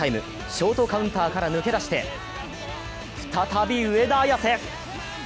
ショートカウンターから抜け出して再び上田綺世。